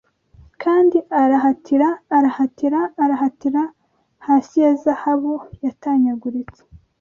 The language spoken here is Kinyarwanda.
Kandi arahatira, arahatira, arahatira, Hasi ya zahabu yatanyaguritse